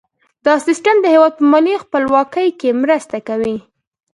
دا سیستم د هیواد په مالي خپلواکۍ کې مرسته کوي.